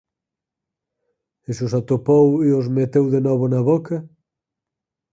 E se os atopou e os meteu de novo na boca?